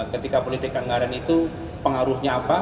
ketika politik anggaran itu pengaruhnya apa